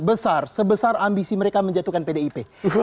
besar sebesar ambisi mereka menjatuhkan pdip